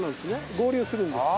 合流するんです。